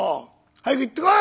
早く行ってこい！